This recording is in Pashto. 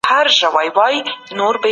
خپل ځان له هر ډول بدۍ وساتئ.